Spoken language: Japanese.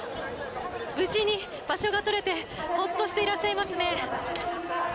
無事に場所が取れてほっとしていらっしゃいますね。